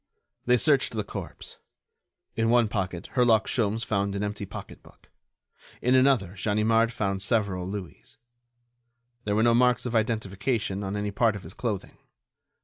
They searched the corpse. In one pocket Herlock Sholmes found an empty pocketbook; in another Ganimard found several louis. There were no marks of identification on any part of his clothing.